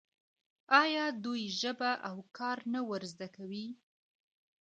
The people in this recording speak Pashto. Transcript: آیا دوی ژبه او کار نه ور زده کوي؟